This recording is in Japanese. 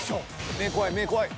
目怖い目怖い。